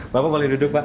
bapak boleh duduk pak